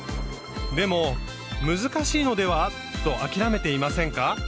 でも難しいのでは？と諦めていませんか？